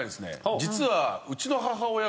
実は。